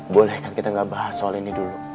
boleh kan kita gak bahas soal ini dulu